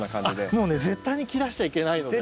もうね絶対に切らしちゃいけないので。